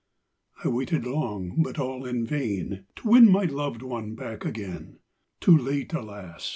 âI waited long, but all in vain, To win my loved one back again. Too late, alas!